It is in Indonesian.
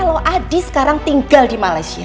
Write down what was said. kalau adi sekarang tinggal di malaysia